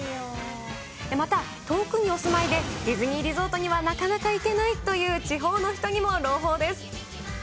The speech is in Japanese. また、遠くにお住まいで、ディズニーリゾートにはなかなか行けないという地方の人にも朗報です。